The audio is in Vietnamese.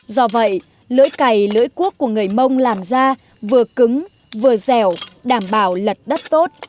do vậy lưỡi cày lưỡi cuốc của người mông làm ra vừa cứng vừa dẻo đảm bảo lật đất tốt